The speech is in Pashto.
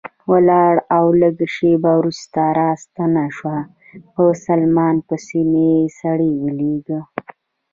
ولاړه او لږ شېبه وروسته راستنه شوه، په سلمان پسې مې سړی ولېږه.